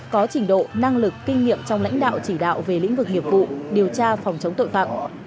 có trình độ năng lực kinh nghiệm trong lãnh đạo chỉ đạo về lĩnh vực nghiệp vụ điều tra phòng chống tội phạm